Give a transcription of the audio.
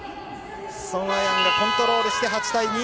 ソン・アヤンがコントロールして８対２。